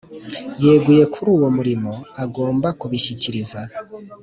Yeguye kuri uwo murimo agomba kubishyikiriza